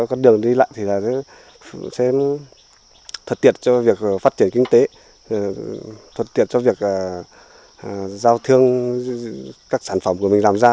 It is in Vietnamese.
con đường đi lại thì sẽ thuật tiệt cho việc phát triển kinh tế thuật tiệt cho việc giao thương các sản phẩm của mình làm ra